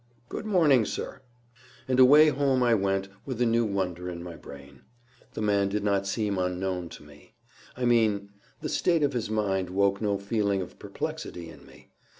"Good morning, sir." And away home I went with a new wonder in my brain. The man did not seem unknown to me. I mean, the state of his mind woke no feeling of perplexity in me.